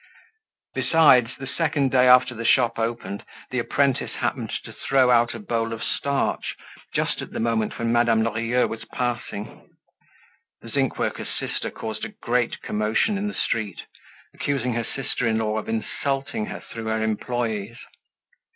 Besides, the second day after the shop opened the apprentice happened to throw out a bowl of starch just at the moment when Madame Lorilleux was passing. The zinc worker's sister caused a great commotion in the street, accusing her sister in law of insulting her through her employees.